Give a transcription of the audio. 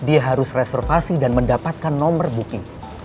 dia harus reservasi dan mendapatkan nomor booking